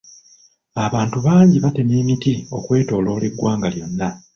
Abantu bangi batema emiti okwetooloola eggwanga lyonna.